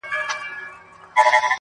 نور مي له سترگو څه خوبونه مړه سول~